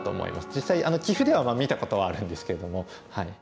実際棋譜では見たことはあるんですけども。